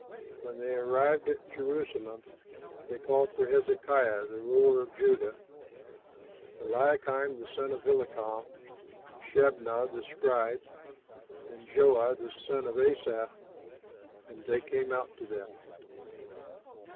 When they arrived at Jerusalem, they called for Hezekiah the ruler of Judah, Eliakim, the son of Hilkiah, Shebnah, the scribe, and Joah, the son of Asaph, and they came out to them.